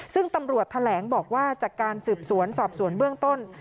ซึ่งตำรวจแถลงบอกว่าจากการสืบสวนสอบสวนเบื้องต้น